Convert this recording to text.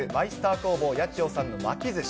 工房八千代さんの巻きずし。